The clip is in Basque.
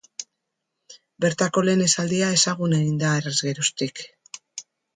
Bertako lehen esaldia ezagun egin da harrez geroztik.